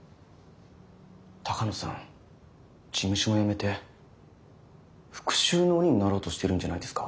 鷹野さん事務所も辞めて復讐の鬼になろうとしてるんじゃないですか？